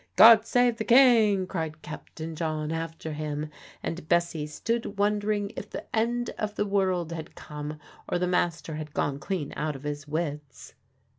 "God save the King!" cried Captain John after him, and Bessie stood wondering if the end of the world had come, or the master had gone clean out of his wits.